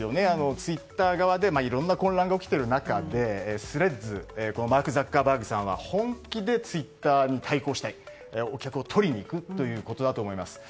ツイッター側でいろんな混乱が起きている中でＴｈｒｅａｄｓのマーク・ザッカーバーグさんは本気でツイッターに対抗したいお客を取りに行くということだと思います。